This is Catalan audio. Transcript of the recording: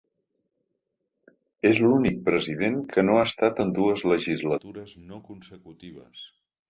És l’únic president que ho ha estat en dues legislatures no consecutives.